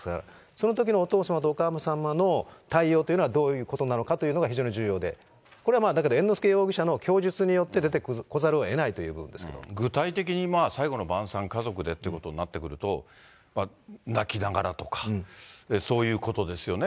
そのときのお父様とお母様の対応というのはどういうことなのかというのが非常に重要で、これはまあ、だけど、猿之助容疑者の供述によって出てこざるをえないという部分ですけ具体的にまあ、最後の晩さん、家族でということになってくると、泣きながらとか、そういうことですよね。